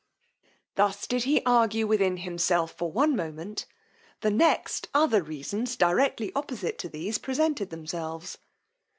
Thus did he argue within himself for one moment; the next, other reasons, directly opposite to these, presented themselves.